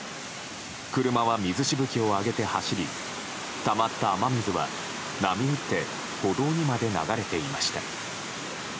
車は水しぶきを上げて走りたまった雨水は波打って歩道にまで流れていました。